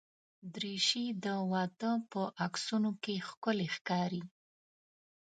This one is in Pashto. دریشي د واده په عکسونو کې ښکلي ښکاري.